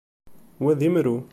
Wa d imru.